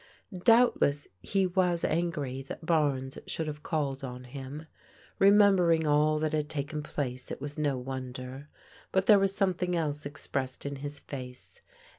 Doubtless he was angry that Barnes should have called on him. Remem bering all that had taken place, it was no wonder. But there was something else expressed in his face.